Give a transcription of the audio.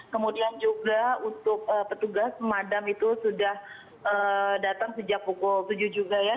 kemudian juga untuk petugas pemadam itu sudah datang sejak pukul tujuh juga ya